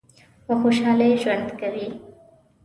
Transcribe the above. په خوشحالی ژوند کوی؟